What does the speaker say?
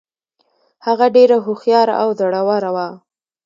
هغه ډیره هوښیاره او زړوره وه.